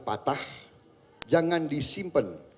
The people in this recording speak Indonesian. patah jangan disimpen